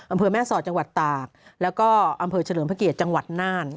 อำเภอแม่สอดจังหวัดตากแล้วก็อำเภอเฉลิมพระเกียรติจังหวัดน่าน